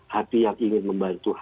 hati yang ingin membantu